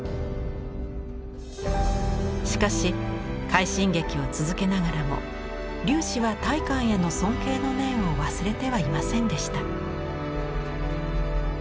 しかし快進撃を続けながらも龍子は大観への尊敬の念を忘れてはいませんでした。